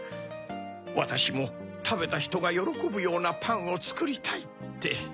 わたしもたべたひとがよろこぶようなパンをつくりたいって。